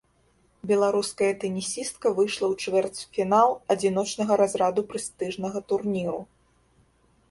Беларуская тэнісістка выйшла ў чвэрцьфінал адзіночнага разраду прэстыжнага турніру.